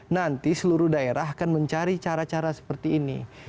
nanti seluruh daerah akan mencari cara cara seperti ini